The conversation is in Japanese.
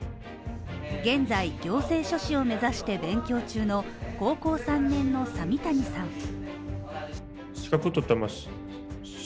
現在、行政書士を目指して勉強中の高校３年の佐味谷さん。